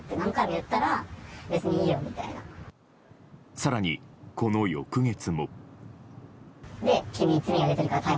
更に、この翌月も。